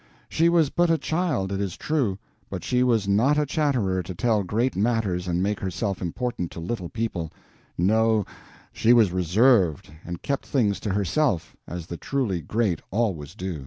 She was but a child, it is true; but she was not a chatterer to tell great matters and make herself important to little people; no, she was reserved, and kept things to herself, as the truly great always do.